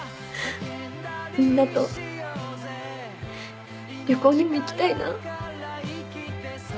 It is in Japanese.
みんなと旅行にも行きたいな。